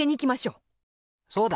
そうだ！